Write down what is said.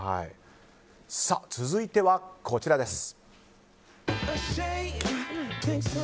続いてはこちらです。